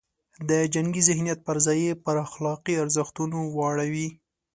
د جنګي ذهنیت پر ځای یې پر اخلاقي ارزښتونو واړوي.